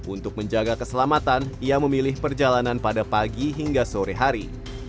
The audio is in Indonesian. untuk menjaga keselamatan ia memilih perjalanan pada pagi hingga sore hari